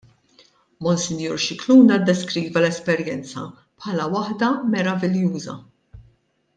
Monsinjur Scicluna ddeskriva l-esperjenza bħala waħda meraviljuża.